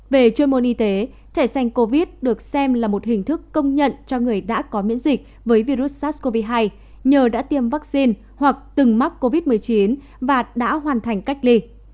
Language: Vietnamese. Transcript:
về chuyên môn y tế thẻ xanh covid được xem là một hình thức công nhận cho người đã có miễn dịch với virus sars cov hai nhờ đã tiêm vaccine hoặc từng mắc covid một mươi chín và đã hoàn thành cách ly